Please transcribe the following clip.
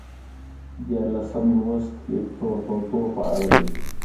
دیارلسم لوست ویکتور هوګو په اړه دی.